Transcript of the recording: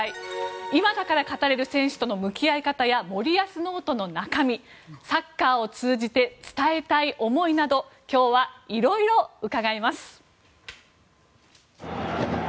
今だから語られる選手との向き合い方や森保ノートの中身サッカーを通じて伝えたい思いなど今日は色々伺います。